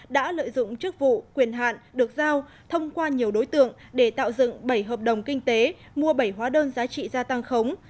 đã lợi dụng chức vụ quyền hạn được giao thông qua nhiều đối tượng để tạo dựng bảy hợp đồng kinh tế mua bảy hóa đơn giá trị gia tăng khống